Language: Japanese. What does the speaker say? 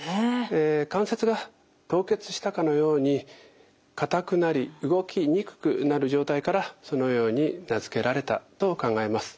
え関節が凍結したかのように硬くなり動きにくくなる状態からそのように名付けられたと考えます。